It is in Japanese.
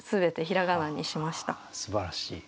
すばらしい。